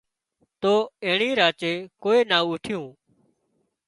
تو اينڻي راچي ڪوئي نا اوٺيون